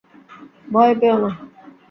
ভয় পেয় না।